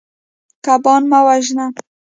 کبان مه وژنه.